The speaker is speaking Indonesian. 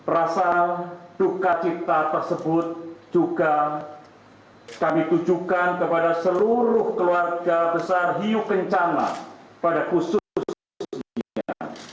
rasa duka cita tersebut juga kami tujukan kepada seluruh keluarga besar hiu kencana pada khususnya